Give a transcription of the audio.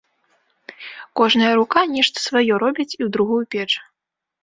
Кожная рука нешта сваё робіць і ў другую печ.